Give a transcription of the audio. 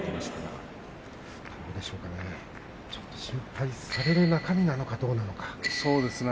どうでしょうかね、ちょっと心配される中身なのかどうなのか。